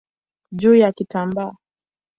juu ya kitambaa.